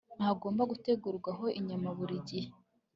ntagomba gutegurwaho inyama buri gihe